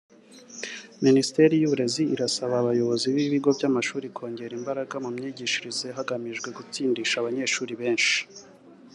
Minisiteri y’Uburezi irasaba abayobozi b’ibigo by’amashuri kongera imbaraga mu myigishirize hagamijwe gutsindisha abanyeshuri benshi